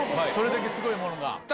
それだけすごいものが。